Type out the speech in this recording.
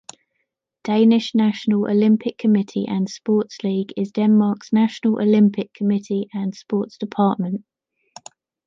Danish National Olympic Committee and Sports League is Denmark’s National Olympic Committee and sports department.